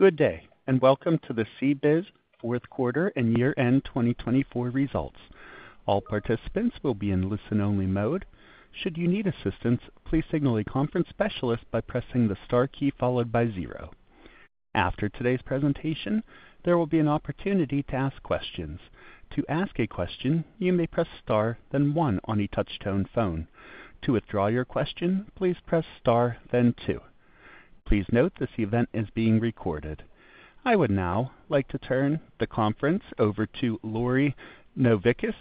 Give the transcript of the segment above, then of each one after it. Good day, and Welcome to the CBIZ Q4 and year-end 2024 Results. All participants will be in listen-only mode. Should you need assistance, please signal a conference specialist by pressing the star key followed by zero. After today's presentation, there will be an opportunity to ask questions. To ask a question, you may press star, then one on a touch-tone phone. To withdraw your question, please press star, then two. Please note this event is being recorded. I would now like to turn the conference over to Lori Novickis,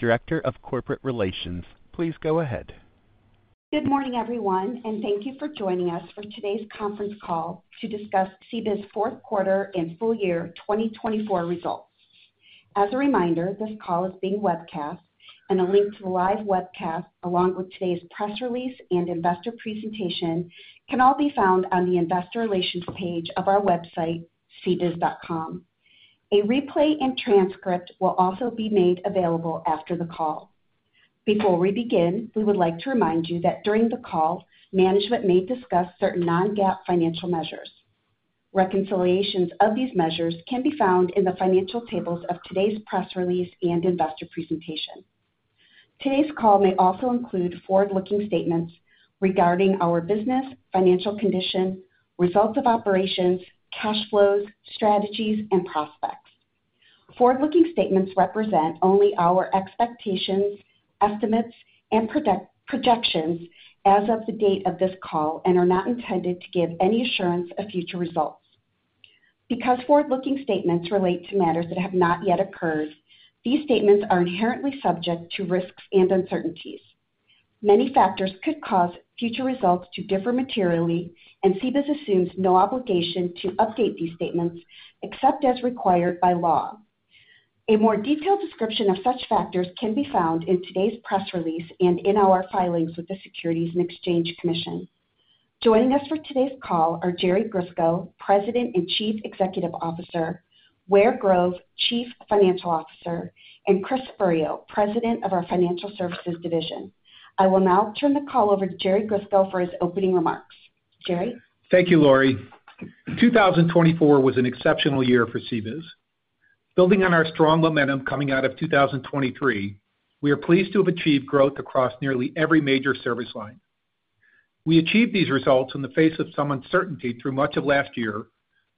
Director of Corporate Relations. Please go ahead. Good morning, everyone, and thank you for joining us for today's conference call to discuss CBIZ Q4 and full year 2024 results. As a reminder, this call is being webcast, and a link to the live webcast, along with today's press release and investor presentation, can all be found on the investor relations page of our website, CBIZ.com. A replay and transcript will also be made available after the call. Before we begin, we would like to remind you that during the call, management may discuss certain Non-GAAP financial measures. Reconciliations of these measures can be found in the financial tables of today's press release and investor presentation. Today's call may also include forward-looking statements regarding our business, financial condition, results of operations, cash flows, strategies, and prospects. Forward-looking statements represent only our expectations, estimates, and projections as of the date of this call and are not intended to give any assurance of future results. Because forward-looking statements relate to matters that have not yet occurred, these statements are inherently subject to risks and uncertainties. Many factors could cause future results to differ materially, and CBIZ assumes no obligation to update these statements except as required by law. A more detailed description of such factors can be found in today's press release and in our filings with the Securities and Exchange Commission. Joining us for today's call are Jerry Grisko, President and Chief Executive Officer, Ware Grove, Chief Financial Officer, and Chris Spurio, President of our Financial Services Division. I will now turn the call over to Jerry Grisko for his opening remarks. Jerry. Thank you, Lori. 2024 was an exceptional year for CBIZ. Building on our strong momentum coming out of 2023, we are pleased to have achieved growth across nearly every major service line. We achieved these results in the face of some uncertainty through much of last year,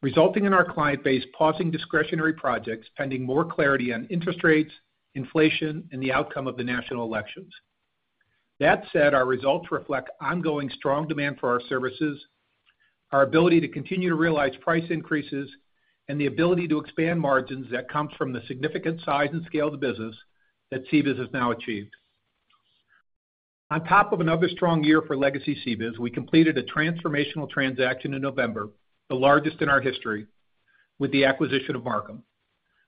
resulting in our client base pausing discretionary projects, pending more clarity on interest rates, inflation, and the outcome of the national elections. That said, our results reflect ongoing strong demand for our services, our ability to continue to realize price increases, and the ability to expand margins that comes from the significant size and scale of the business that CBIZ has now achieved. On top of another strong year for legacy CBIZ, we completed a transformational transaction in November, the largest in our history, with the acquisition of Marcum.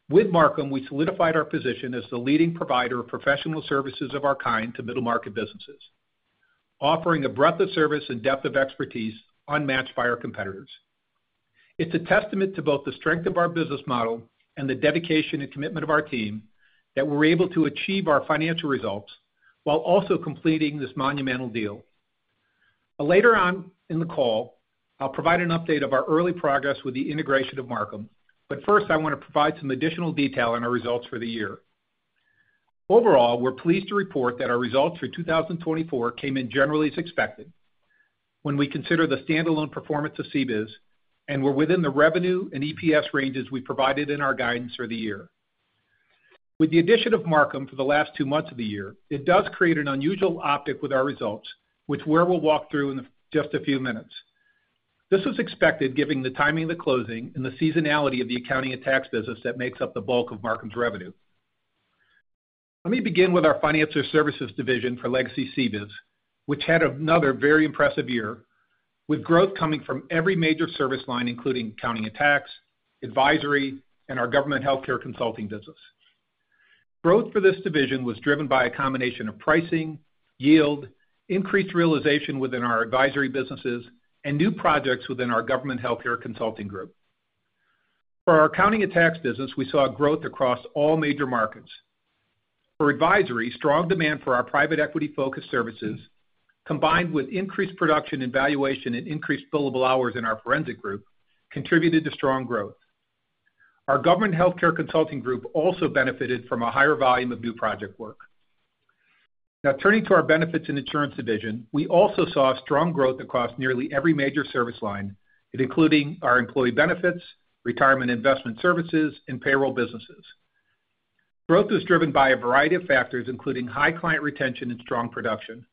With Marcum, we solidified our position as the leading provider of professional services of our kind to middle-market businesses, offering a breadth of service and depth of expertise unmatched by our competitors. It's a testament to both the strength of our business model and the dedication and commitment of our team that we're able to achieve our financial results while also completing this monumental deal. Later on in the call, I'll provide an update of our early progress with the integration of Marcum, but first, I want to provide some additional detail on our results for the year. Overall, we're pleased to report that our results for 2024 came in generally as expected when we consider the standalone performance of CBIZ and were within the revenue and EPS ranges we provided in our guidance for the year. With the addition of Marcum for the last two months of the year, it does create an unusual optic with our results, which Ware will walk through in just a few minutes. This was expected, given the timing of the closing and the seasonality of the accounting and tax business that makes up the bulk of Marcum's revenue. Let me begin with our Financial Services Division for legacy CBIZ, which had another very impressive year, with growth coming from every major service line, including accounting and tax, advisory, and our Government Health Care Consulting business. Growth for this division was driven by a combination of pricing, yield, increased realization within our advisory businesses, and new projects within our Government Health Care Consulting group. For our accounting and tax business, we saw growth across all major markets. For advisory, strong demand for our private equity-focused services, combined with increased production and valuation and increased billable hours in our forensic group, contributed to strong growth. Our Government Health Care Consulting group also benefited from a higher volume of new project work. Now, turning to our Benefits and Insurance Division, we also saw strong growth across nearly every major service line, including our employee benefits, retirement investment services, and payroll businesses. Growth was driven by a variety of factors, including high client retention and strong production.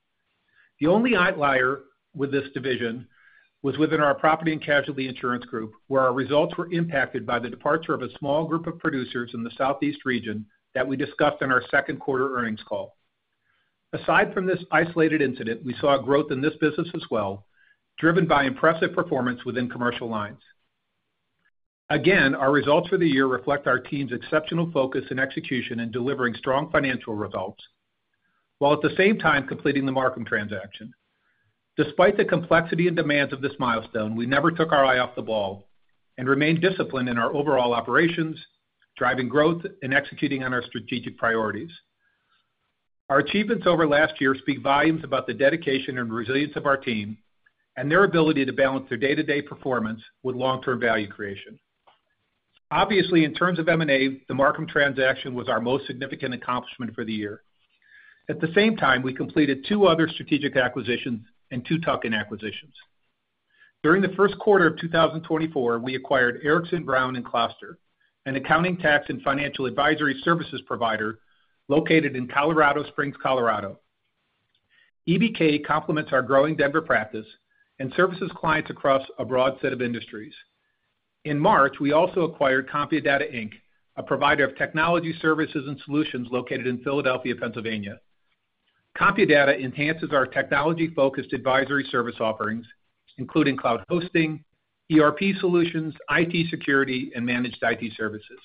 The only outlier with this division was within our property and casualty insurance group, where our results were impacted by the departure of a small group of producers in the Southeast region that we discussed in our Q2 earnings call. Aside from this isolated incident, we saw growth in this business as well, driven by impressive performance within commercial lines. Again, our results for the year reflect our team's exceptional focus and execution in delivering strong financial results, while at the same time completing the Marcum transaction. Despite the complexity and demands of this milestone, we never took our eye off the ball and remained disciplined in our overall operations, driving growth and executing on our strategic priorities. Our achievements over last year speak volumes about the dedication and resilience of our team and their ability to balance their day-to-day performance with long-term value creation. Obviously, in terms of M&A, the Marcum transaction was our most significant accomplishment for the year. At the same time, we completed two other strategic acquisitions and two tuck-in acquisitions. During the Q1 of 2024, we acquired Erickson, Brown & Kloster, an accounting, tax, and financial advisory services provider located in Colorado Springs, Colorado. EBK complements our growing Denver practice and services clients across a broad set of industries. In March, we also acquired CompuData, Inc., a provider of technology services and solutions located in Philadelphia, Pennsylvania. CompuData enhances our technology-focused advisory service offerings, including cloud hosting, ERP solutions, IT security, and managed IT services.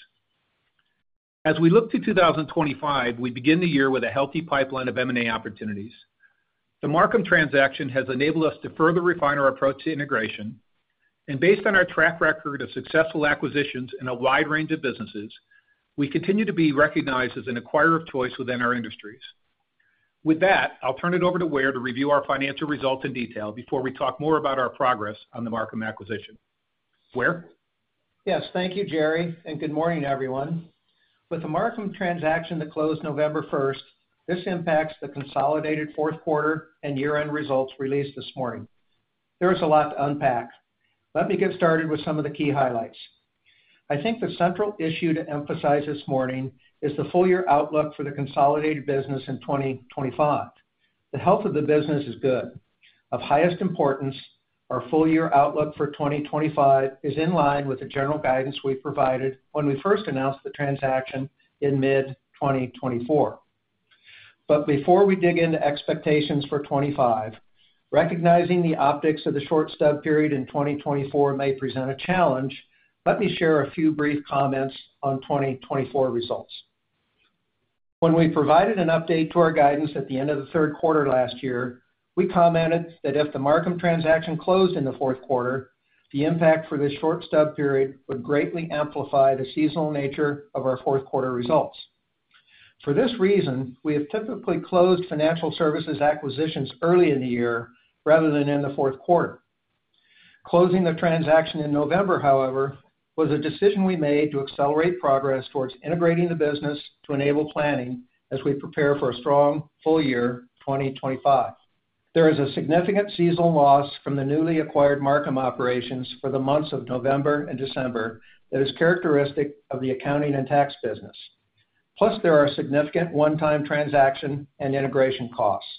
As we look to 2025, we begin the year with a healthy pipeline of M&A opportunities. The Marcum transaction has enabled us to further refine our approach to integration, and based on our track record of successful acquisitions in a wide range of businesses, we continue to be recognized as an acquirer of choice within our industries. With that, I'll turn it over to Ware to review our financial results in detail before we talk more about our progress on the Marcum acquisition. Ware? Yes. Thank you, Jerry, and good morning, everyone. With the Marcum transaction that closed November 1st, this impacts the consolidated Q4 and year-end results released this morning. There is a lot to unpack. Let me get started with some of the key highlights. I think the central issue to emphasize this morning is the full year outlook for the consolidated business in 2025. The health of the business is good. Of highest importance, our full year outlook for 2025 is in line with the general guidance we provided when we first announced the transaction in mid-2024. But before we dig into expectations for '25, recognizing the optics of the short stub period in 2024 may present a challenge, let me share a few brief comments on 2024 results. When we provided an update to our guidance at the end of the Q3 last year, we commented that if the Marcum transaction closed in the Q4, the impact for this short stub period would greatly amplify the seasonal nature of our Q4 results. For this reason, we have typically closed Financial Services acquisitions early in the year rather than in the Q4. Closing the transaction in November, however, was a decision we made to accelerate progress towards integrating the business to enable planning as we prepare for a strong full year 2025. There is a significant seasonal loss from the newly acquired Marcum operations for the months of November and December that is characteristic of the accounting and tax business, plus there are significant one-time transaction and integration costs.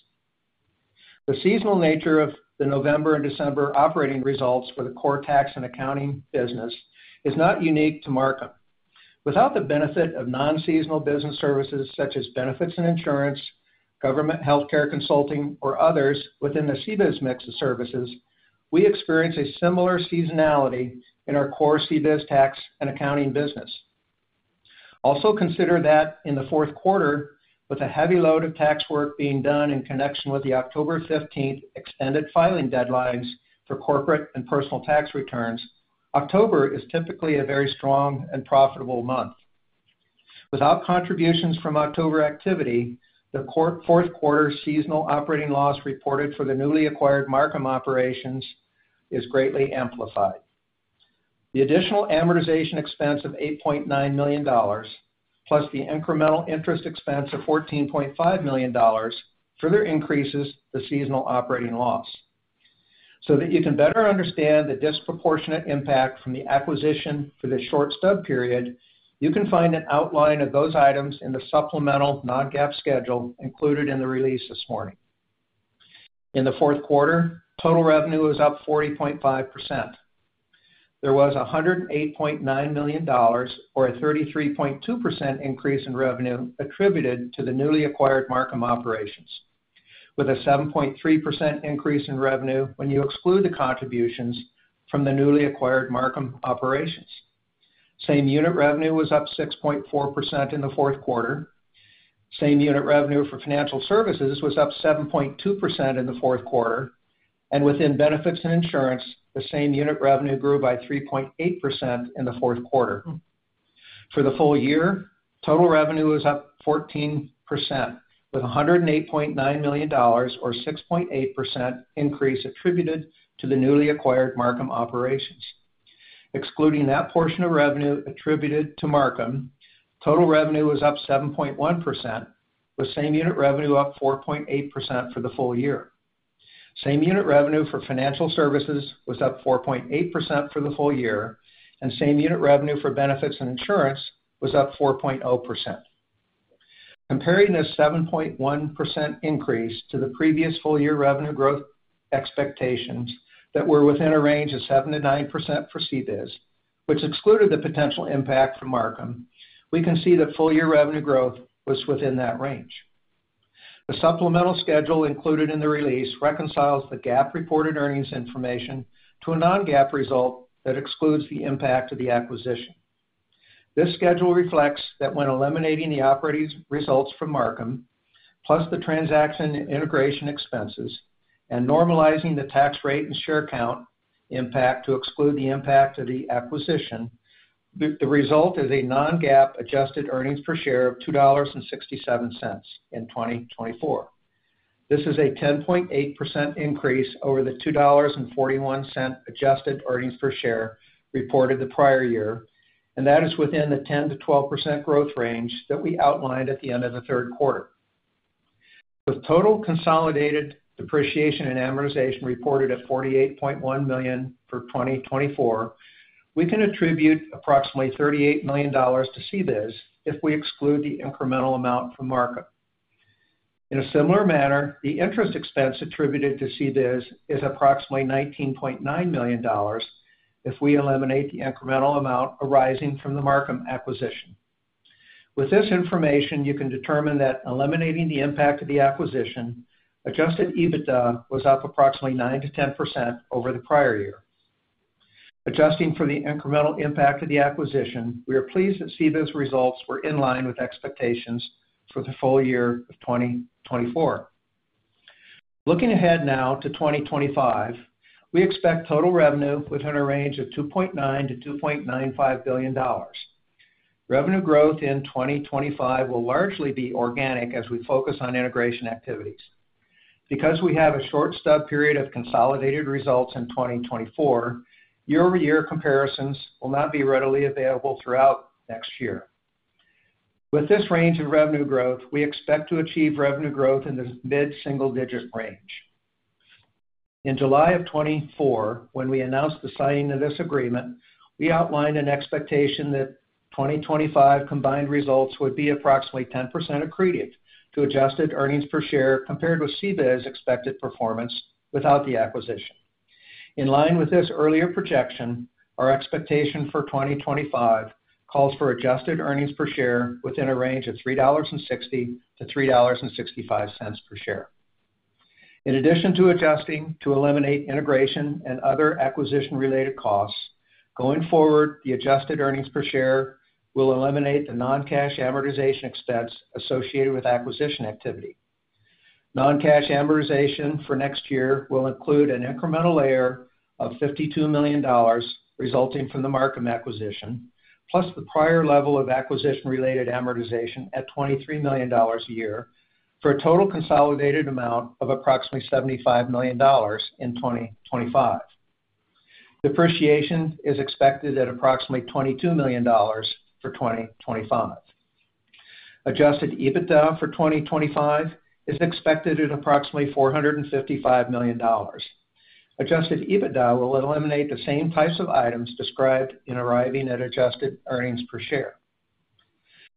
The seasonal nature of the November and December operating results for the core tax and accounting business is not unique to Marcum. Without the benefit of non-seasonal business services such as Benefits and Insurance, Government Health Care Consulting, or others within the CBIZ mix of services, we experience a similar seasonality in our core CBIZ tax and accounting business. Also consider that in the Q4, with a heavy load of tax work being done in connection with the October 15 extended filing deadlines for corporate and personal tax returns, October is typically a very strong and profitable month. Without contributions from October activity, the Q4 seasonal operating loss reported for the newly acquired Marcum operations is greatly amplified. The additional amortization expense of $8.9 million, plus the incremental interest expense of $14.5 million, further increases the seasonal operating loss. So that you can better understand the disproportionate impact from the acquisition for this short stub period, you can find an outline of those items in the supplemental non-GAAP schedule included in the release this morning. In the Q4, total revenue was up 40.5%. There was a $108.9 million, or a 33.2% increase in revenue, attributed to the newly acquired Marcum operations, with a 7.3% increase in revenue when you exclude the contributions from the newly acquired Marcum operations. Same unit revenue was up 6.4% in the Q4. Same unit revenue for Financial Services was up 7.2% in the Q4, and within Benefits and Insurance, the same unit revenue grew by 3.8% in the Q4. For the full year, total revenue was up 14%, with a $108.9 million, or 6.8% increase attributed to the newly acquired Marcum operations. Excluding that portion of revenue attributed to Marcum, total revenue was up 7.1%, with same unit revenue up 4.8% for the full year. Same unit revenue for Financial Services was up 4.8% for the full year, and same unit revenue for Benefits and Insurance was up 4.0%. Comparing this 7.1% increase to the previous full year revenue growth expectations that were within a range of 7%-9% for CBIZ, which excluded the potential impact from Marcum, we can see that full year revenue growth was within that range. The supplemental schedule included in the release reconciles the GAAP reported earnings information to a non-GAAP result that excludes the impact of the acquisition. This schedule reflects that when eliminating the operating results from Marcum, plus the transaction integration expenses, and normalizing the tax rate and share count impact to exclude the impact of the acquisition, the result is a Non-GAAP adjusted earnings per share of $2.67 in 2024. This is a 10.8% increase over the $2.41 adjusted earnings per share reported the prior year, and that is within the 10%-12% growth range that we outlined at the end of the Q4. With total consolidated depreciation and amortization reported at $48.1 million for 2024, we can attribute approximately $38 million to CBIZ if we exclude the incremental amount from Marcum. In a similar manner, the interest expense attributed to CBIZ is approximately $19.9 million if we eliminate the incremental amount arising from the Marcum acquisition. With this information, you can determine that eliminating the impact of the acquisition, Adjusted EBITDA was up approximately 9%-10% over the prior year. Adjusting for the incremental impact of the acquisition, we are pleased that CBIZ results were in line with expectations for the full year of 2024. Looking ahead now to 2025, we expect total revenue within a range of $2.9 billion-$2.95 billion. Revenue growth in 2025 will largely be organic as we focus on integration activities. Because we have a short stub period of consolidated results in 2024, year-over-year comparisons will not be readily available throughout next year. With this range of revenue growth, we expect to achieve revenue growth in the mid-single-digit range. In July of 2024, when we announced the signing of this agreement, we outlined an expectation that 2025 combined results would be approximately 10% accretive to adjusted earnings per share compared with CBIZ's expected performance without the acquisition. In line with this earlier projection, our expectation for 2025 calls for adjusted earnings per share within a range of $3.60-$3.65 per share. In addition to adjusting to eliminate integration and other acquisition-related costs, going forward, the adjusted earnings per share will eliminate the non-cash amortization expense associated with acquisition activity. Non-cash amortization for next year will include an incremental layer of $52 million resulting from the Marcum acquisition, plus the prior level of acquisition-related amortization at $23 million a year for a total consolidated amount of approximately $75 million in 2025. Depreciation is expected at approximately $22 million for 2025. Adjusted EBITDA for 2025 is expected at approximately $455 million. Adjusted EBITDA will eliminate the same types of items described in arriving at adjusted earnings per share.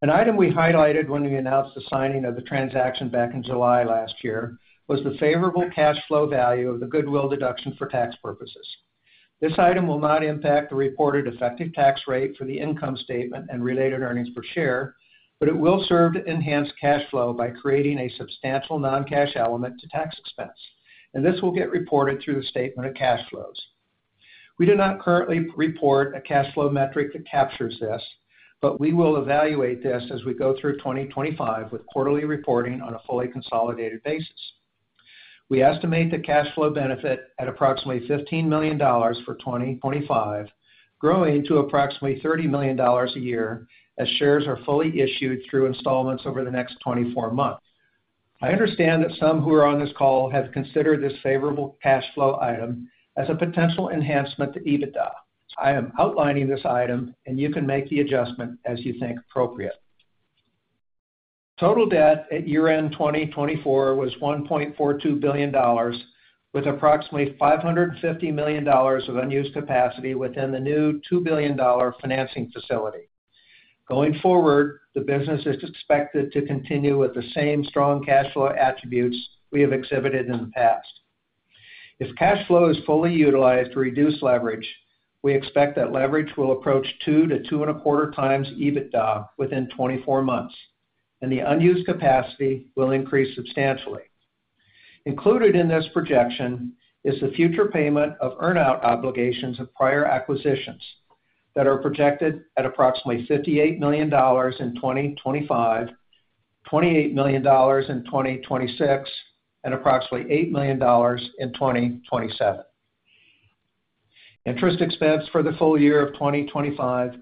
An item we highlighted when we announced the signing of the transaction back in July last year was the favorable cash flow value of the goodwill deduction for tax purposes. This item will not impact the reported effective tax rate for the income statement and related earnings per share, but it will serve to enhance cash flow by creating a substantial non-cash element to tax expense, and this will get reported through the statement of cash flows. We do not currently report a cash flow metric that captures this, but we will evaluate this as we go through 2025 with quarterly reporting on a fully consolidated basis. We estimate the cash flow benefit at approximately $15 million for 2025, growing to approximately $30 million a year as shares are fully issued through installments over the next 24 months. I understand that some who are on this call have considered this favorable cash flow item as a potential enhancement to EBITDA. I am outlining this item, and you can make the adjustment as you think appropriate. Total debt at year-end 2024 was $1.42 billion, with approximately $550 million of unused capacity within the new $2 billion financing facility. Going forward, the business is expected to continue with the same strong cash flow attributes we have exhibited in the past. If cash flow is fully utilized to reduce leverage, we expect that leverage will approach two-2.25 times EBITDA within 24 months, and the unused capacity will increase substantially. Included in this projection is the future payment of earnout obligations of prior acquisitions that are projected at approximately $58 million in 2025, $28 million in 2026, and approximately $8 million in 2027. Interest expense for the full year of 2025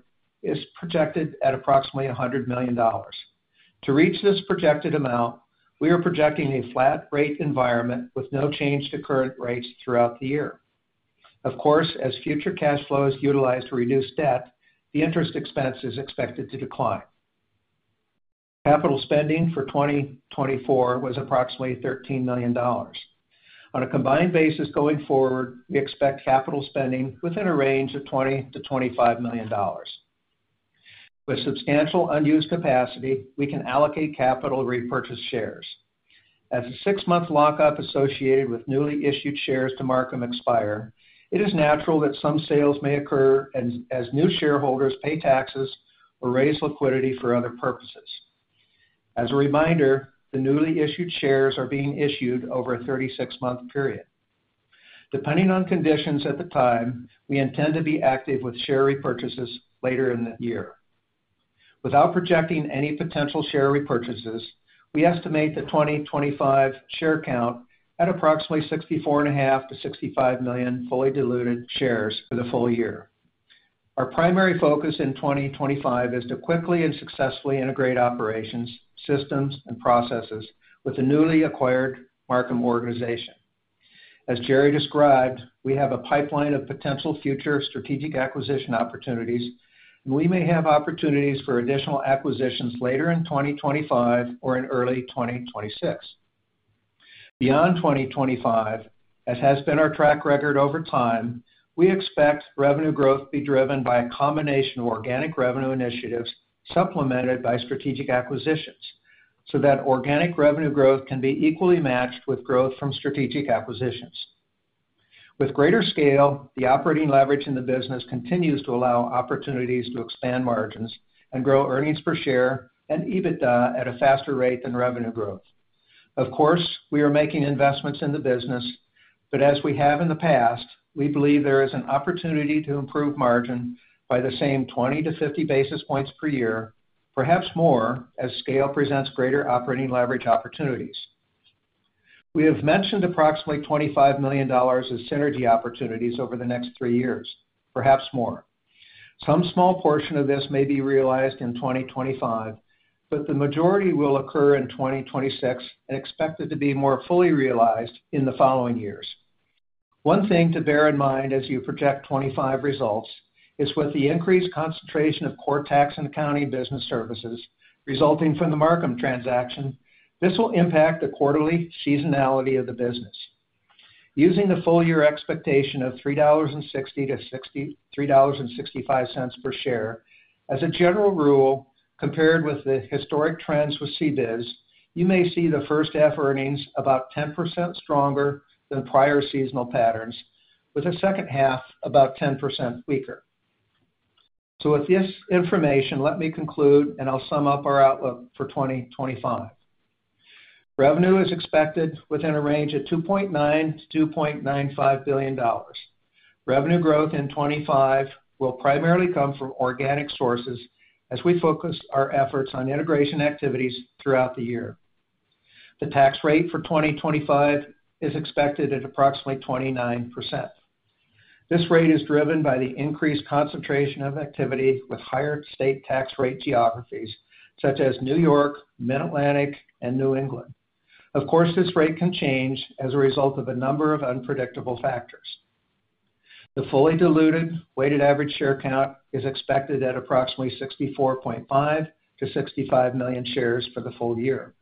is projected at approximately $100 million. To reach this projected amount, we are projecting a flat rate environment with no change to current rates throughout the year. Of course, as future cash flow is utilized to reduce debt, the interest expense is expected to decline. Capital spending for 2024 was approximately $13 million. On a combined basis going forward, we expect capital spending within a range of $20 million-$25 million. With substantial unused capacity, we can allocate capital to repurchase shares. As the six-month lockup associated with newly issued shares to Marcum expires, it is natural that some sales may occur as new shareholders pay taxes or raise liquidity for other purposes. As a reminder, the newly issued shares are being issued over a 36-month period. Depending on conditions at the time, we intend to be active with share repurchases later in the year. Without projecting any potential share repurchases, we estimate the 2025 share count at approximately $64.5 million-$65 million fully diluted shares for the full year. Our primary focus in 2025 is to quickly and successfully integrate operations, systems, and processes with the newly acquired Marcum organization. As Jerry described, we have a pipeline of potential future strategic acquisition opportunities, and we may have opportunities for additional acquisitions later in 2025 or in early 2026. Beyond 2025, as has been our track record over time, we expect revenue growth to be driven by a combination of organic revenue initiatives supplemented by strategic acquisitions so that organic revenue growth can be equally matched with growth from strategic acquisitions. With greater scale, the operating leverage in the business continues to allow opportunities to expand margins and grow earnings per share and EBITDA at a faster rate than revenue growth. Of course, we are making investments in the business, but as we have in the past, we believe there is an opportunity to improve margin by the same 20-50 basis points per year, perhaps more, as scale presents greater operating leverage opportunities. We have mentioned approximately $25 million as synergy opportunities over the next three years, perhaps more. Some small portion of this may be realized in 2025, but the majority will occur in 2026 and expected to be more fully realized in the following years. One thing to bear in mind as you project 2025 results is with the increased concentration of core tax and accounting business services resulting from the Marcum transaction, this will impact the quarterly seasonality of the business. Using the full year expectation of $3.60-$3.65 per share, as a general rule, compared with the historic trends with CBIZ, you may see the first half earnings about 10% stronger than prior seasonal patterns, with the second half about 10% weaker. So with this information, let me conclude and I'll sum up our outlook for 2025. Revenue is expected within a range of $2.9 billion-$2.95 billion. Revenue growth in 2025 will primarily come from organic sources as we focus our efforts on integration activities throughout the year. The tax rate for 2025 is expected at approximately 29%. This rate is driven by the increased concentration of activity with higher state tax rate geographies such as New York, Mid-Atlantic, and New England. Of course, this rate can change as a result of a number of unpredictable factors. The fully diluted weighted average share count is expected at approximately 64.5-65 million shares for the full year.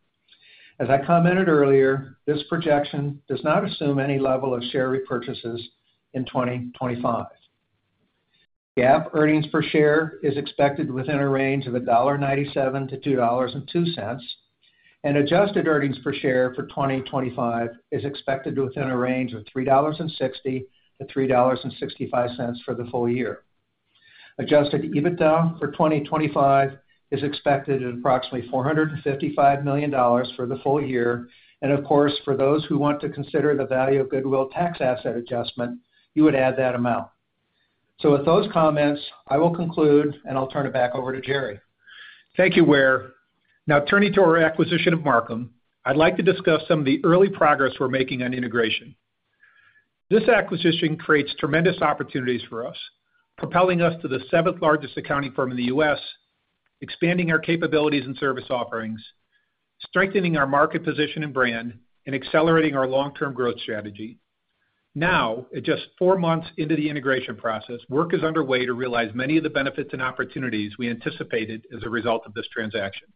As I commented earlier, this projection does not assume any level of share repurchases in 2025. GAAP earnings per share is expected within a range of $1.97-$2.02, and adjusted earnings per share for 2025 is expected within a range of $3.60-$3.65 for the full year. Adjusted EBITDA for 2025 is expected at approximately $455 million for the full year, and of course, for those who want to consider the value of goodwill tax asset adjustment, you would add that amount. So with those comments, I will conclude and I'll turn it back over to Jerry. Thank you, Ware. Now, turning to our acquisition of Marcum, I'd like to discuss some of the early progress we're making on integration. This acquisition creates tremendous opportunities for us, propelling us to the seventh largest accounting firm in the U.S., expanding our capabilities and service offerings, strengthening our market position and brand, and accelerating our long-term growth strategy. Now, at just four months into the integration process, work is underway to realize many of the benefits and opportunities we anticipated as a result of this transaction.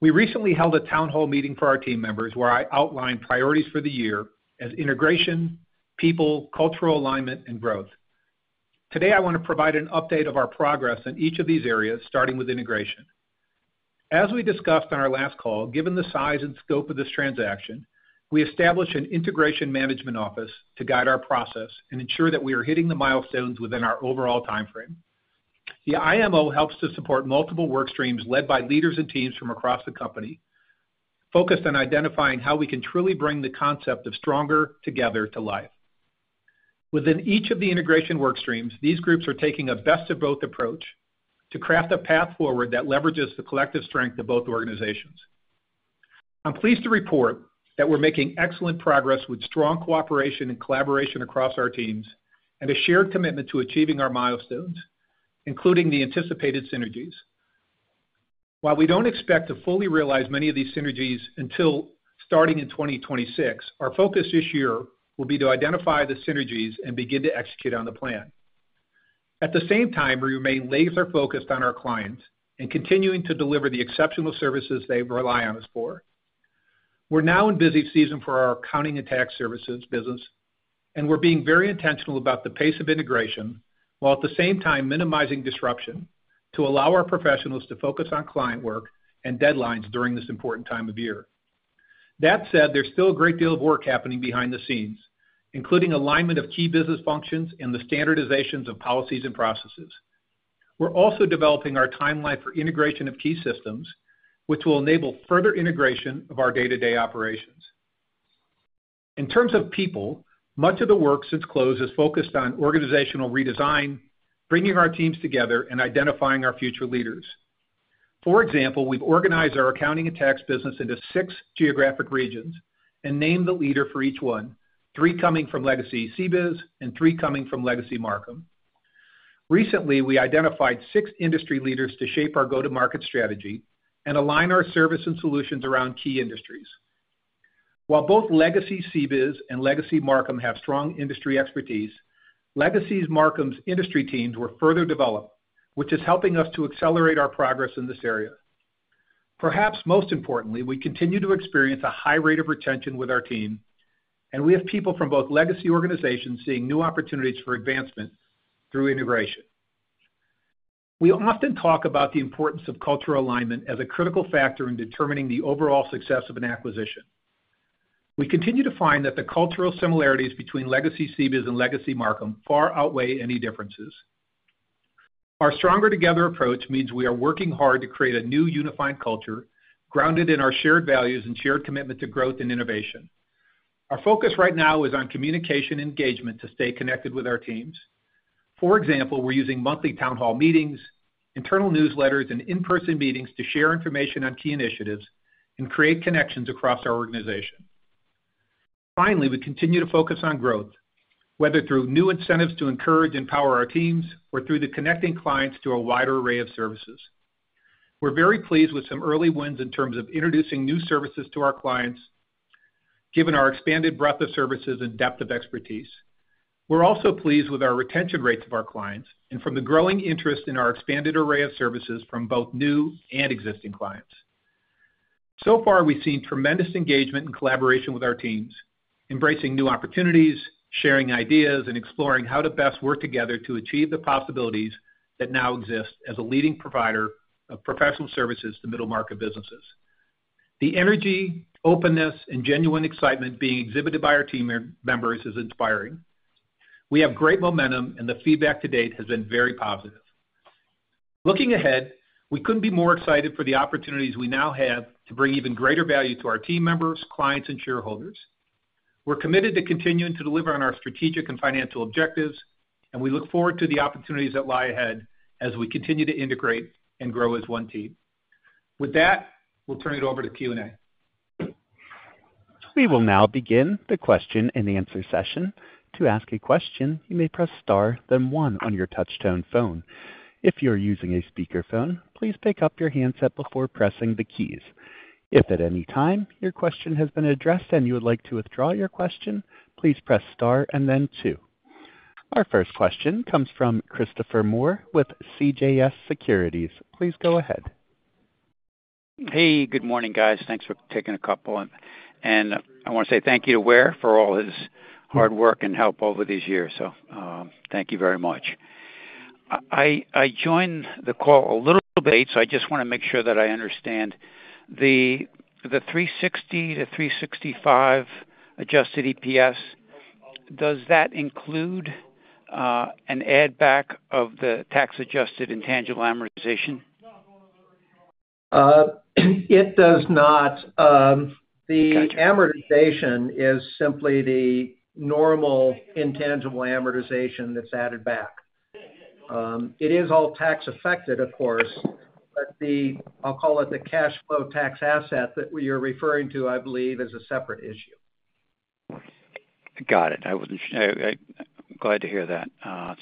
We recently held a town hall meeting for our team members where I outlined priorities for the year as integration, people, cultural alignment, and growth. Today, I want to provide an update of our progress in each of these areas, starting with integration. As we discussed on our last call, given the size and scope of this transaction, we established an Integration Management Office to guide our process and ensure that we are hitting the milestones within our overall timeframe. The IMO helps to support multiple work streams led by leaders and teams from across the company, focused on identifying how we can truly bring the concept of stronger together to life. Within each of the integration work streams, these groups are taking a best-of-both approach to craft a path forward that leverages the collective strength of both organizations. I'm pleased to report that we're making excellent progress with strong cooperation and collaboration across our teams and a shared commitment to achieving our milestones, including the anticipated synergies. While we don't expect to fully realize many of these synergies until starting in 2026, our focus this year will be to identify the synergies and begin to execute on the plan. At the same time, we remain laser-focused on our clients and continuing to deliver the exceptional services they rely on us for. We're now in busy season for our accounting and tax services business, and we're being very intentional about the pace of integration while at the same time minimizing disruption to allow our professionals to focus on client work and deadlines during this important time of year. That said, there's still a great deal of work happening behind the scenes, including alignment of key business functions and the standardizations of policies and processes. We're also developing our timeline for integration of key systems, which will enable further integration of our day-to-day operations. In terms of people, much of the work since close is focused on organizational redesign, bringing our teams together and identifying our future leaders. For example, we've organized our accounting and tax business into six geographic regions and named the leader for each one, three coming from legacy CBIZ and three coming from legacy Marcum. Recently, we identified six industry leaders to shape our go-to-market strategy and align our service and solutions around key industries. While both legacy CBIZ and legacy Marcum have strong industry expertise, legacy Marcum's industry teams were further developed, which is helping us to accelerate our progress in this area. Perhaps most importantly, we continue to experience a high rate of retention with our team, and we have people from both legacy organizations seeing new opportunities for advancement through integration. We often talk about the importance of cultural alignment as a critical factor in determining the overall success of an acquisition. We continue to find that the cultural similarities between legacy CBIZ and legacy Marcum far outweigh any differences. Our stronger together approach means we are working hard to create a new unified culture grounded in our shared values and shared commitment to growth and innovation. Our focus right now is on communication engagement to stay connected with our teams. For example, we're using monthly town hall meetings, internal newsletters, and in-person meetings to share information on key initiatives and create connections across our organization. Finally, we continue to focus on growth, whether through new incentives to encourage and empower our teams or through connecting clients to a wider array of services. We're very pleased with some early wins in terms of introducing new services to our clients, given our expanded breadth of services and depth of expertise. We're also pleased with our retention rates of our clients and from the growing interest in our expanded array of services from both new and existing clients. So far, we've seen tremendous engagement and collaboration with our teams, embracing new opportunities, sharing ideas, and exploring how to best work together to achieve the possibilities that now exist as a leading provider of professional services to middle market businesses. The energy, openness, and genuine excitement being exhibited by our team members is inspiring. We have great momentum, and the feedback to date has been very positive. Looking ahead, we couldn't be more excited for the opportunities we now have to bring even greater value to our team members, clients, and shareholders. We're committed to continuing to deliver on our strategic and financial objectives, and we look forward to the opportunities that lie ahead as we continue to integrate and grow as one team. With that, we'll turn it over to Q&A. We will now begin the question and answer session. To ask a question, you may press star, then one on your touch-tone phone. If you're using a speakerphone, please pick up your handset before pressing the keys. If at any time your question has been addressed and you would like to withdraw your question, please press star and then two. Our first question comes from Christopher Moore with CJS Securities. Please go ahead. Hey, good morning, guys. Thanks for taking a couple of—and I want to say thank you to Ware for all his hard work and help over these years. So thank you very much. I joined the call a little bit late, so I just want to make sure that I understand. The $3.60-$3.65 adjusted EPS, does that include an add-back of the tax-adjusted intangible amortization? It does not. The amortization is simply the normal intangible amortization that's added back. It is all tax-affected, of course, but I'll call it the cash flow tax asset that you're referring to, I believe, is a separate issue. Got it. I'm glad to hear that.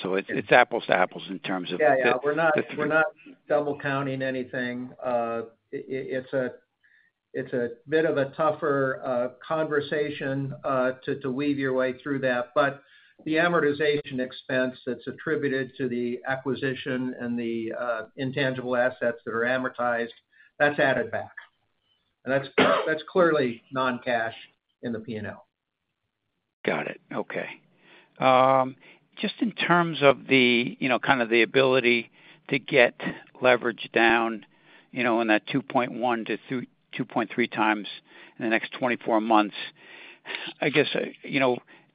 So it's apples to apples in terms of the— Yeah, we're not double-counting anything. It's a bit of a tougher conversation to weave your way through that, but the amortization expense that's attributed to the acquisition and the intangible assets that are amortized, that's added back. And that's clearly non-cash in the P&L. Got it. Okay. Just in terms of kind of the ability to get leverage down in that 2.1-2.3 times in the next 24 months, I guess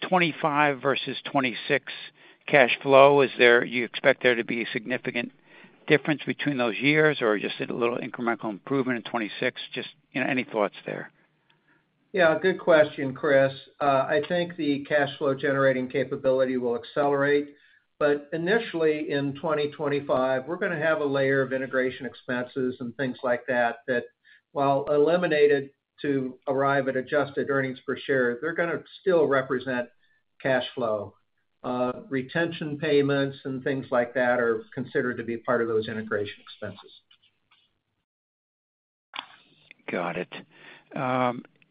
2025 versus 2026 cash flow, you expect there to be a significant difference between those years or just a little incremental improvement in 2026? Just any thoughts there? Yeah, good question, Chris. I think the cash flow generating capability will accelerate, but initially in 2025, we're going to have a layer of integration expenses and things like that that, while eliminated to arrive at adjusted earnings per share, they're going to still represent cash flow. Retention payments and things like that are considered to be part of those integration expenses. Got it.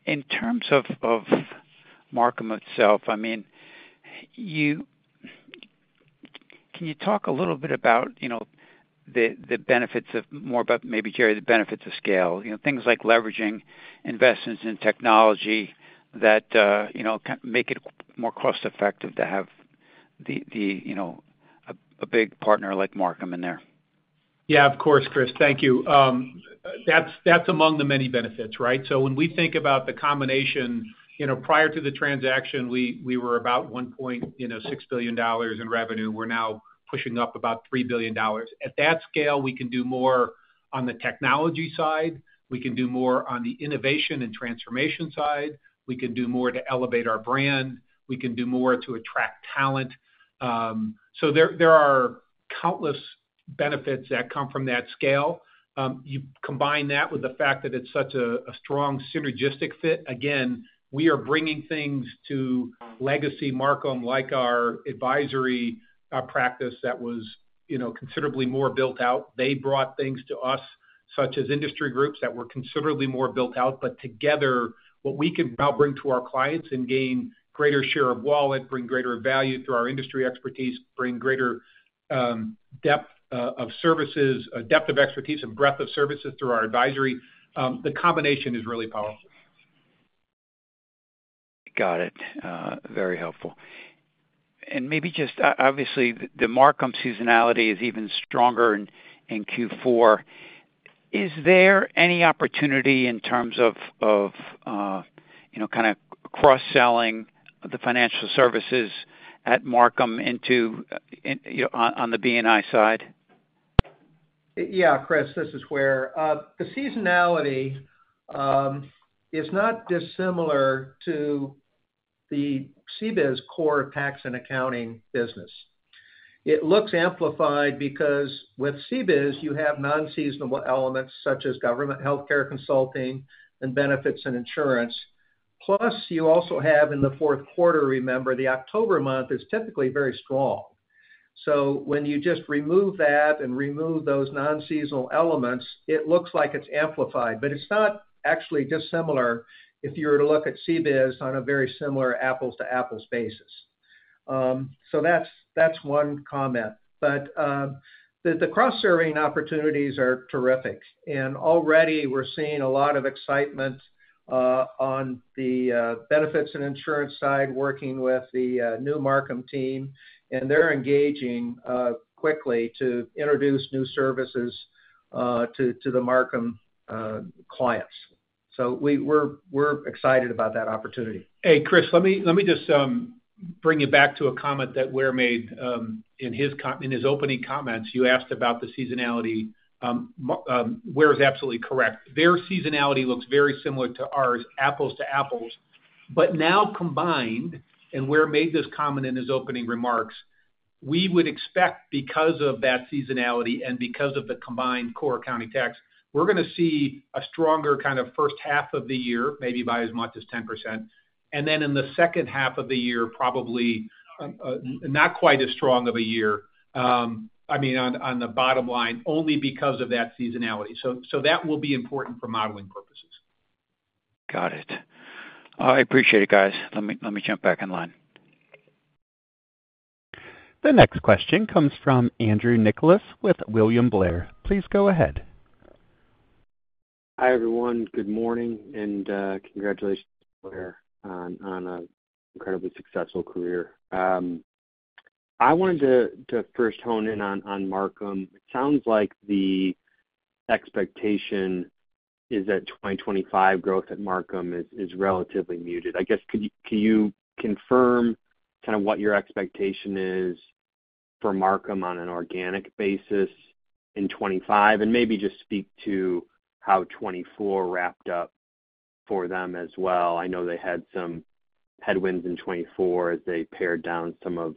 In terms of Marcum itself, I mean, can you talk a little bit about the benefits of, more about maybe, Jerry, the benefits of scale? Things like leveraging investments in technology that make it more cost-effective to have a big partner like Marcum in there. Yeah, of course, Chris. Thank you. That's among the many benefits, right? So when we think about the combination, prior to the transaction, we were about $1.6 billion in revenue. We're now pushing up about $3 billion. At that scale, we can do more on the technology side. We can do more on the innovation and transformation side. We can do more to elevate our brand. We can do more to attract talent. So there are countless benefits that come from that scale. You combine that with the fact that it's such a strong synergistic fit. Again, we are bringing things to legacy Marcum, like our advisory practice that was considerably more built out. They brought things to us, such as industry groups that were considerably more built out, but together, what we can now bring to our clients and gain greater share of wallet, bring greater value through our industry expertise, bring greater depth of services, depth of expertise, and breadth of services through our advisory. The combination is really powerful. Got it. Very helpful. And maybe just, obviously, the Marcum seasonality is even stronger in Q4. Is there any opportunity in terms of kind of cross-selling the Financial Services at Marcum on the B&I side? Yeah, Chris, this is Ware. The seasonality is not dissimilar to the CBIZ core tax and accounting business. It looks amplified because with CBIZ, you have non-seasonal elements such as Government Health Care Consulting and Benefits and Insurance. Plus, you also have in the fourth quarter, remember, the October month is typically very strong. So when you just remove that and remove those non-seasonal elements, it looks like it's amplified, but it's not actually dissimilar if you were to look at CBIZ on a very similar apples-to-apples basis. That's one comment. The cross-serving opportunities are terrific. Already, we're seeing a lot of excitement on the Benefits and Insurance side working with the new Marcum team, and they're engaging quickly to introduce new services to the Marcum clients. We're excited about that opportunity. Hey, Chris, let me just bring you back to a comment that Ware made in his opening comments. You asked about the seasonality. Ware is absolutely correct. Their seasonality looks very similar to ours, apples to apples, but now combined, and Ware made this comment in his opening remarks, we would expect, because of that seasonality and because of the combined core accounting tax, we're going to see a stronger kind of first half of the year, maybe by as much as 10%, and then in the second half of the year, probably not quite as strong of a year, I mean, on the bottom line, only because of that seasonality, so that will be important for modeling purposes. Got it. I appreciate it, guys. Let me jump back in line. The next question comes from Andrew Nicholas with William Blair. Please go ahead. Hi everyone. Good morning and congratulations to Ware on an incredibly successful career. I wanted to first hone in on Marcum. It sounds like the expectation is that 2025 growth at Marcum is relatively muted. I guess, can you confirm kind of what your expectation is for Marcum on an organic basis in 2025? And maybe just speak to how 2024 wrapped up for them as well. I know they had some headwinds in 2024 as they pared down some of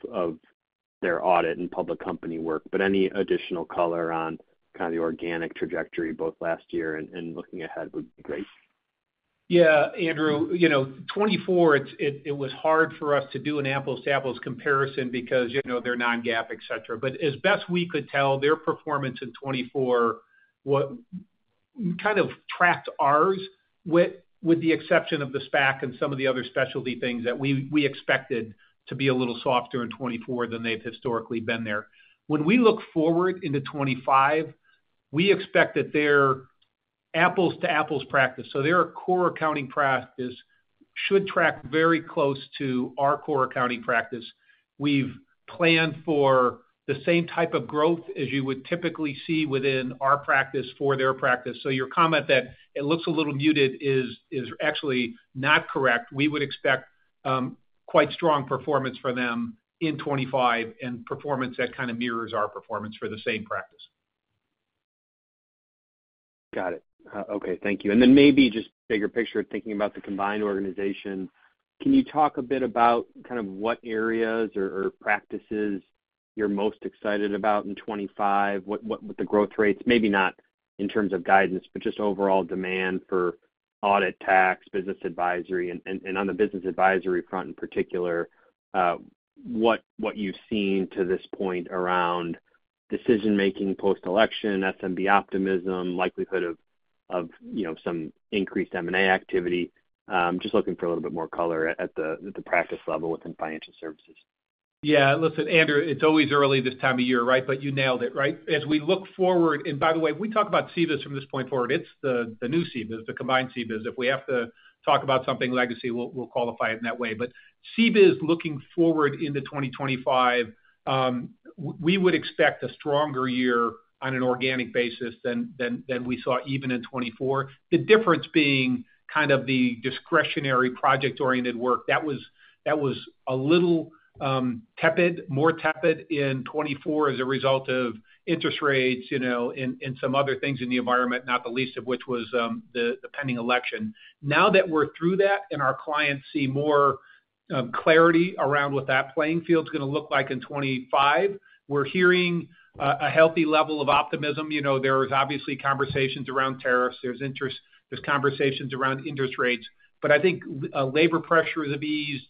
their audit and public company work. But any additional color on kind of the organic trajectory, both last year and looking ahead, would be great. Yeah, Andrew. 2024, it was hard for us to do an apples-to-apples comparison because they're non-GAAP, etc. But as best we could tell, their performance in 2024 kind of tracked ours, with the exception of the SPAC and some of the other specialty things that we expected to be a little softer in 2024 than they've historically been there. When we look forward into 2025, we expect that their apples-to-apples practice, so their core accounting practice, should track very close to our core accounting practice. We've planned for the same type of growth as you would typically see within our practice for their practice. So your comment that it looks a little muted is actually not correct. We would expect quite strong performance for them in 2025 and performance that kind of mirrors our performance for the same practice. Got it. Okay. Thank you. And then maybe just bigger picture, thinking about the combined organization, can you talk a bit about kind of what areas or practices you're most excited about in 2025? What are the growth rates, maybe not in terms of guidance, but just overall demand for audit, tax, business advisory, and on the business advisory front in particular, what you've seen to this point around decision-making post-election, SMB optimism, likelihood of some increased M&A activity? Just looking for a little bit more color at the practice level within Financial Services. Yeah. Listen, Andrew, it's always early this time of year, right? But you nailed it, right? As we look forward, and by the way, we talk about CBIZ from this point forward. It's the new CBIZ, the combined CBIZ. If we have to talk about something legacy, we'll qualify it in that way. But CBIZ looking forward into 2025, we would expect a stronger year on an organic basis than we saw even in 2024. The difference being kind of the discretionary project-oriented work. That was a little tepid, more tepid in 2024 as a result of interest rates and some other things in the environment, not the least of which was the pending election. Now that we're through that and our clients see more clarity around what that playing field's going to look like in 2025, we're hearing a healthy level of optimism. There's obviously conversations around tariffs. There's conversations around interest rates. But I think labor pressure is have eased.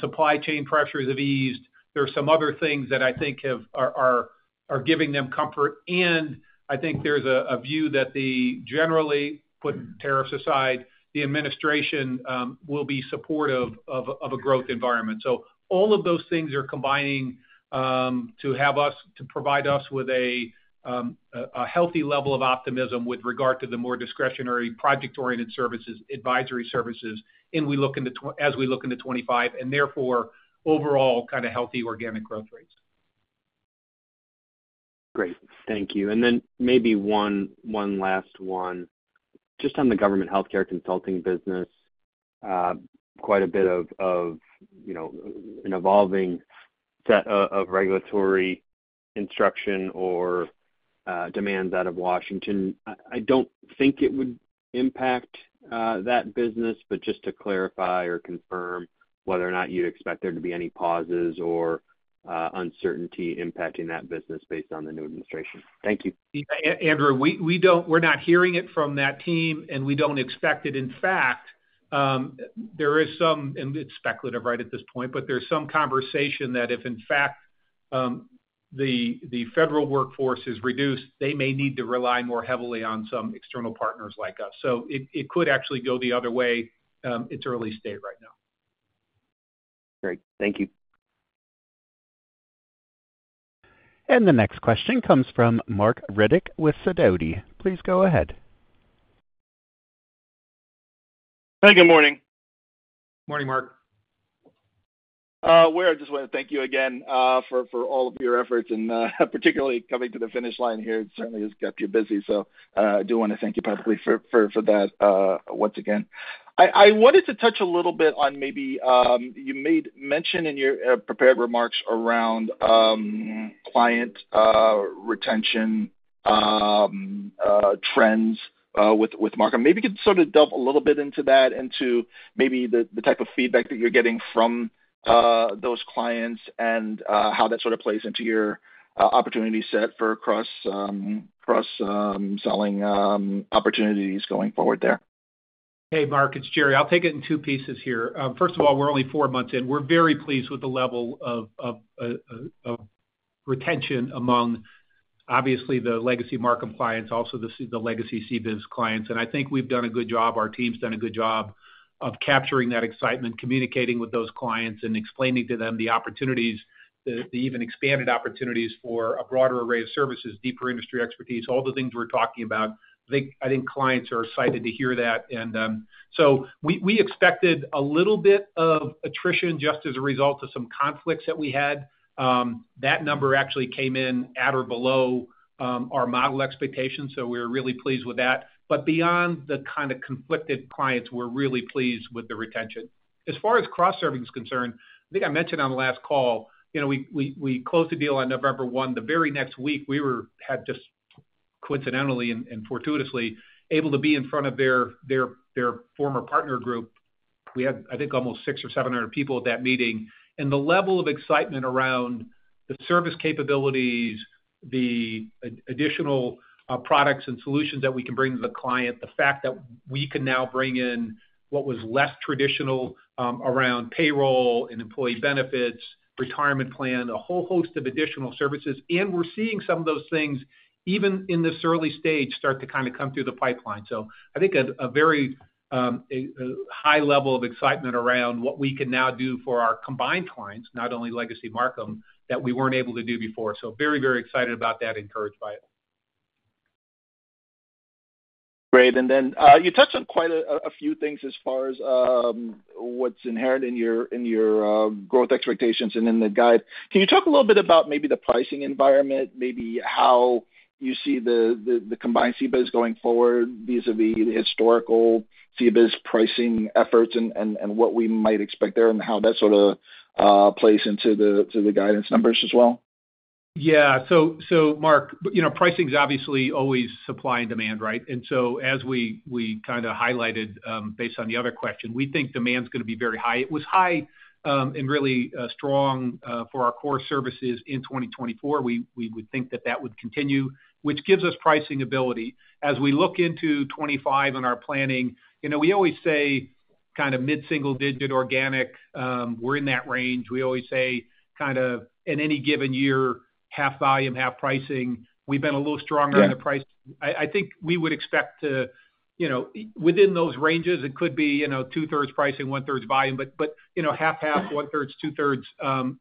Supply chain pressure is have eased. There are some other things that I think are giving them comfort. And I think there's a view that the generally put tariffs aside, the administration will be supportive of a growth environment. So all of those things are combining to provide us with a healthy level of optimism with regard to the more discretionary project-oriented services, advisory services, as we look into 2025, and therefore overall kind of healthy organic growth rates. Great. Thank you. And then maybe one last one. Just on the Government Health Care Consulting business, quite a bit of an evolving set of regulatory instruction or demands out of Washington. I don't think it would impact that business, but just to clarify or confirm whether or not you'd expect there to be any pauses or uncertainty impacting that business based on the new administration. Thank you. Andrew, we're not hearing it from that team, and we don't expect it. In fact, there is some, and it's speculative right at this point, but there's some conversation that if, in fact, the federal workforce is reduced, they may need to rely more heavily on some external partners like us. So it could actually go the other way. It's early stage right now. Great. Thank you. And the next question comes from Marc Riddick with Sidoti. Please go ahead. Hey, good morning. Morning, Marc. Ware, I just want to thank you again for all of your efforts, and particularly coming to the finish line here, it certainly has kept you busy. So I do want to thank you publicly for that once again. I wanted to touch a little bit on maybe you made mention in your prepared remarks around client retention trends with Marcum. Maybe you could sort of delve a little bit into that, into maybe the type of feedback that you're getting from those clients and how that sort of plays into your opportunity set for cross-selling opportunities going forward there. Hey, Marc. It's Jerry. I'll take it in two pieces here. First of all, we're only four months in. We're very pleased with the level of retention among, obviously, the legacy Marcum clients, also the legacy CBIZ clients. And I think we've done a good job. Our team's done a good job of capturing that excitement, communicating with those clients, and explaining to them the opportunities, the even expanded opportunities for a broader array of services, deeper industry expertise, all the things we're talking about. I think clients are excited to hear that. And so we expected a little bit of attrition just as a result of some conflicts that we had. That number actually came in at or below our model expectations, so we were really pleased with that. But beyond the kind of conflicted clients, we're really pleased with the retention. As far as cross-serving is concerned, I think I mentioned on the last call, we closed the deal on November 1. The very next week, we had just coincidentally and fortuitously been able to be in front of their former partner group. We had, I think, almost 600 or 700 people at that meeting. And the level of excitement around the service capabilities, the additional products and solutions that we can bring to the client, the fact that we can now bring in what was less traditional around payroll and employee benefits, retirement plan, a whole host of additional services. And we're seeing some of those things, even in this early stage, start to kind of come through the pipeline. So I think a very high level of excitement around what we can now do for our combined clients, not only legacy Marcum, that we weren't able to do before. So very, very excited about that and encouraged by it. Great. And then you touched on quite a few things as far as what's inherent in your growth expectations and in the guide. Can you talk a little bit about maybe the pricing environment, maybe how you see the combined CBIZ going forward vis-à-vis the historical CBIZ pricing efforts and what we might expect there and how that sort of plays into the guidance numbers as well? Yeah. So, Marc, pricing is obviously always supply and demand, right? Yeah. So, Marc, pricing is obviously always supply and demand, right? And so as we kind of highlighted based on the other question, we think demand's going to be very high. It was high and really strong for our core services in 2024. We would think that that would continue, which gives us pricing ability. As we look into 2025 in our planning, we always say kind of mid-single-digit organic. We're in that range. We always say kind of in any given year, half volume, half pricing. We've been a little stronger in the pricing. I think we would expect to within those ranges, it could be two-thirds pricing, one-third volume, but half, half, one-third, two-thirds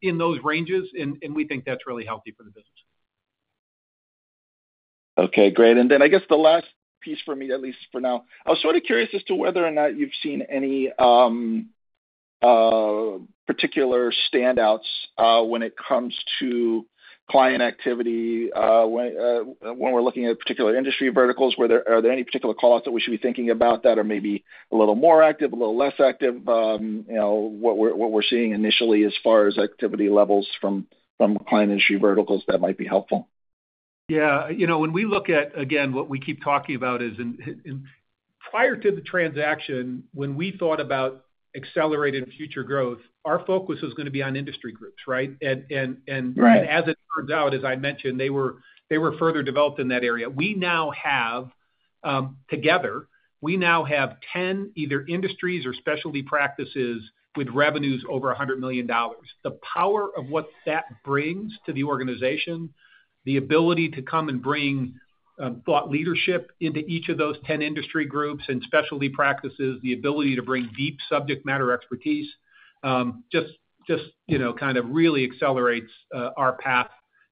in those ranges. And we think that's really healthy for the business. Okay. Great. And then I guess the last piece for me, at least for now, I was sort of curious as to whether or not you've seen any particular standouts when it comes to client activity. When we're looking at particular industry verticals, are there any particular callouts that we should be thinking about that are maybe a little more active, a little less active? What we're seeing initially as far as activity levels from client industry verticals, that might be helpful. Yeah. When we look at, again, what we keep talking about is prior to the transaction, when we thought about accelerated future growth, our focus was going to be on industry groups, right? And as it turns out, as I mentioned, they were further developed in that area. We now have, together, 10 either industries or specialty practices with revenues over $100 million. The power of what that brings to the organization, the ability to come and bring thought leadership into each of those 10 industry groups and specialty practices, the ability to bring deep subject matter expertise just kind of really accelerates our path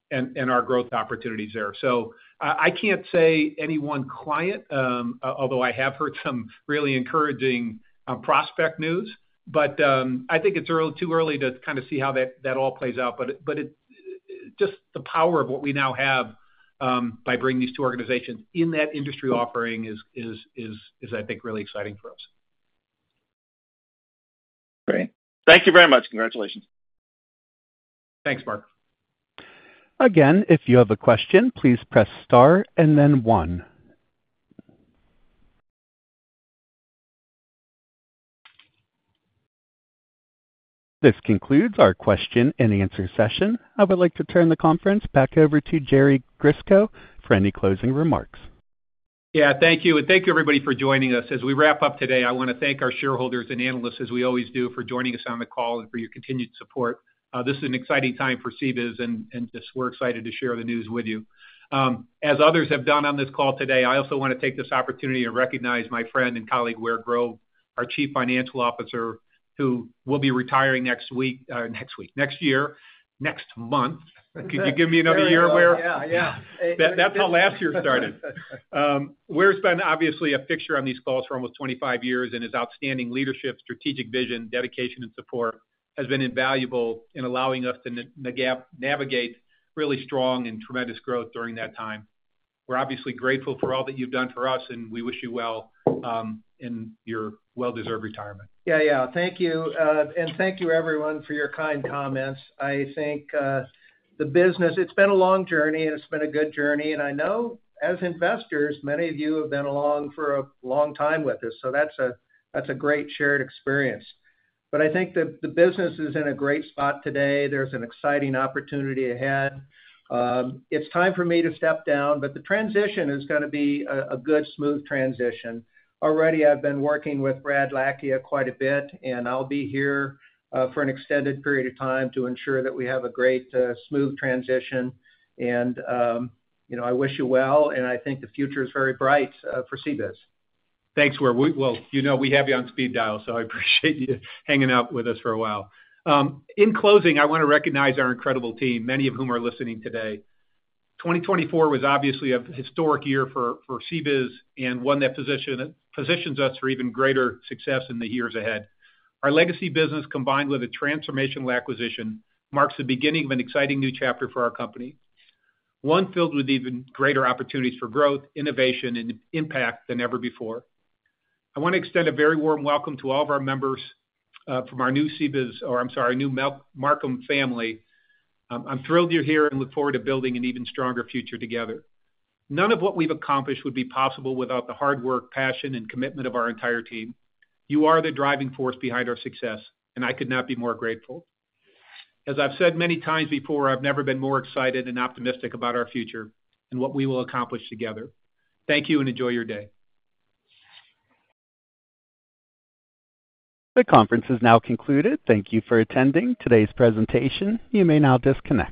and our growth opportunities there. So I can't say any one client, although I have heard some really encouraging prospect news, but I think it's too early to kind of see how that all plays out. But just the power of what we now have by bringing these two organizations in that industry offering is, I think, really exciting for us. Great. Thank you very much. Congratulations. Thanks, Marc. Again, if you have a question, please press star and then one. This concludes our question and answer session. I would like to turn the conference back over to Jerry Grisko for any closing remarks. Yeah. Thank you. Thank you, everybody, for joining us. As we wrap up today, I want to thank our shareholders and analysts, as we always do, for joining us on the call and for your continued support. This is an exciting time for CBIZ, and just we're excited to share the news with you. As others have done on this call today, I also want to take this opportunity to recognize my friend and colleague, Ware Grove, our Chief Financial Officer, who will be retiring next week, next week, next year, next month. Could you give me another year, Ware? Yeah. Yeah. That's how last year started. Ware's been, obviously, a fixture on these calls for almost 25 years, and his outstanding leadership, strategic vision, dedication, and support have been invaluable in allowing us to navigate really strong and tremendous growth during that time. We're obviously grateful for all that you've done for us, and we wish you well in your well-deserved retirement. Yeah. Yeah. Thank you, and thank you, everyone, for your kind comments. I think the business, it's been a long journey, and it's been a good journey, and I know, as investors, many of you have been along for a long time with us, so that's a great shared experience, but I think the business is in a great spot today. There's an exciting opportunity ahead. It's time for me to step down, but the transition is going to be a good, smooth transition. Already, I've been working with Brad Lakhia quite a bit, and I'll be here for an extended period of time to ensure that we have a great, smooth transition, and I wish you well, and I think the future is very bright for CBIZ. Thanks, Ware. We have you on speed dial, so I appreciate you hanging out with us for a while. In closing, I want to recognize our incredible team, many of whom are listening today. 2024 was obviously a historic year for CBIZ and one that positions us for even greater success in the years ahead. Our legacy business, combined with a transformational acquisition, marks the beginning of an exciting new chapter for our company, one filled with even greater opportunities for growth, innovation, and impact than ever before. I want to extend a very warm welcome to all of our members from our new CBIZ or, I'm sorry, new Marcum family. I'm thrilled you're here and look forward to building an even stronger future together. None of what we've accomplished would be possible without the hard work, passion, and commitment of our entire team. You are the driving force behind our success, and I could not be more grateful. As I've said many times before, I've never been more excited and optimistic about our future and what we will accomplish together. Thank you and enjoy your day. The conference is now concluded. Thank you for attending today's presentation. You may now disconnect.